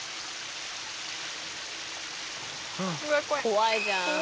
怖いじゃん。